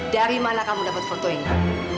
dari mana kamu dapat foto ini